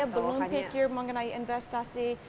belum pikir mengenai investasi